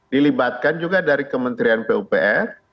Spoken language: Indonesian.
dilibatkan juga dari kementerian pupr